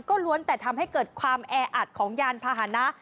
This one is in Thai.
ก็ล้วนแต่ทำให้เกิดความแออัดของยานพาหนะ